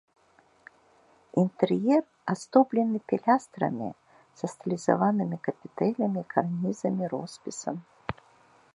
Інтэр'ер аздоблены пілястрамі са стылізаванымі капітэлямі, карнізамі, роспісам.